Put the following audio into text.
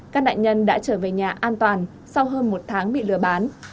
các nạn nhân đã trở về nhà an toàn sau hơn một tháng bị lừa bán